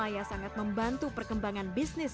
ya udah ini